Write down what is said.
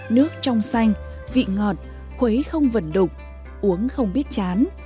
nước trong xanh vị ngọt khuấy không vần đục uống không biết chán